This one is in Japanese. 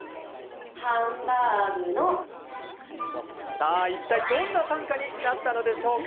さあ、いったいどんな短歌になったのでしょうか。